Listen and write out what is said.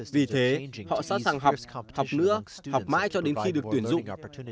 vì thế họ sẵn sàng học học nữa học mãi cho đến khi được tuyển dụng